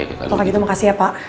pokoknya gitu makasih ya pak